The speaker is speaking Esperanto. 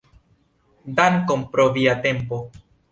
Dankon pro via tempo.